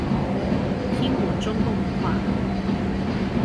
聽我中共的話